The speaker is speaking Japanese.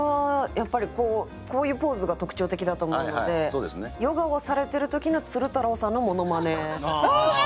こういうポーズが特徴的だと思うのでヨガをされているときの鶴太郎さんのものまね。